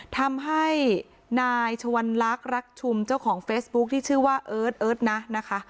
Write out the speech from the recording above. ทำให้นายชวัลลักษณ์รักชุมเจ้าของเฟซบุ๊คที่ชื่อว่าเอิร์ทเอิร์ทนะนะคะ